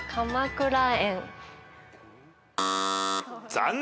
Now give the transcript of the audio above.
残念！